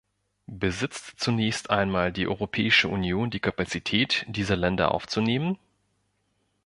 Besitzt zunächst einmal die Europäische Union die Kapazität, diese Länder aufzunehmen?